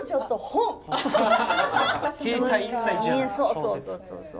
そうそうそうそう。